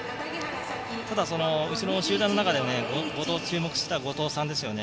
ただ、後ろの集団の中で注目した後藤さんですよね。